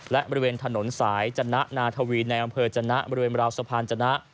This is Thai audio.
และบริเวณถนนสายจนะนาธวีในอำเภอจนะบริเวณราวสะพานจนะ